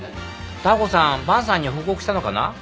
ダー子さん伴さんに報告したのかな？